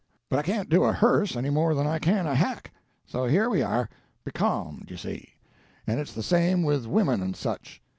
But I can't do a hearse any more than I can a hack; so here we are—becalmed, you see. And it's the same with women and such.